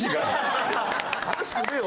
楽しくねえよ